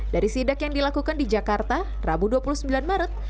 dari sidak yang dilakukan di jakarta rabu dua puluh sembilan maret